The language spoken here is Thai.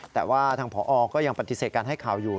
แต่ว่าทางผอก็ยังปฏิเสธการให้ข่าวอยู่